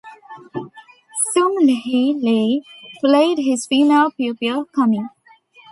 Sung-Hi Lee played his female pupil, Kami.